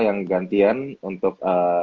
yang gantian untuk